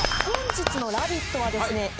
本日の「ラヴィット！」はですね